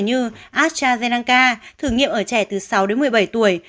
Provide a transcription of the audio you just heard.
như astrazeneca thử nghiệm ở trẻ từ sáu đến một mươi bảy tuổi